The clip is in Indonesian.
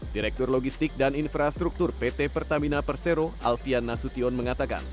direktur logistik dan infrastruktur pt pertamina persero alfian nasution mengatakan